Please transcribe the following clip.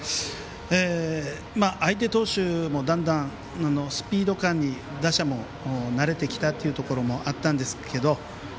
相手投手もだんだんスピード感に打者も慣れてきたというところもあったんですけど